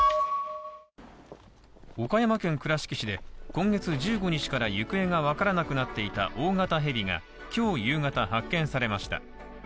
岡山県倉敷市で、今月１５日から行方が分からなくなっていた大型ヘビが今日夕方、発見されました。